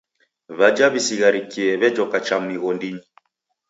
W'aja w'isigharikie w'ejoka cha mighondinyi.